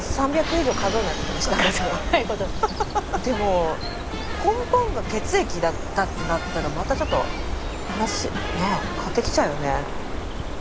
でも根本が血液だったってなったらまたちょっと話変わってきちゃうよね。